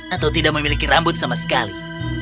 atau tidak memiliki rambut sama sekali